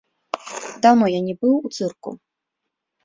Даўно я не быў у цырку.